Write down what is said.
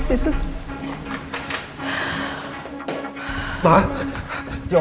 saya tinggal dulu ya bu